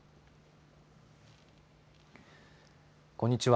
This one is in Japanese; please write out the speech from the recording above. こんにちは。